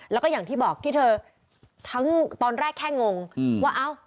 แล้วก็อย่างที่บอกที่เธอทั้งตอนแรกแค่งงว่าเอ้า